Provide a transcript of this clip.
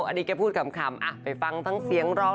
อันนี้แกพูดคำไปฟังทั้งเสียงร้อง